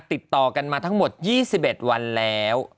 ติดต่อกันมาทั้งหมด๒๑วันแล้ว